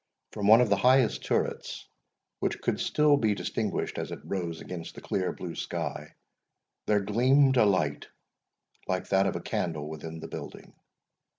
From one of the highest turrets, which could still be distinguished as it rose against the clear blue sky, there gleamed a light like that of a candle within the building.